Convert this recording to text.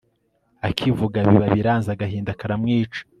akivuga, biba biranze agahinda karamwica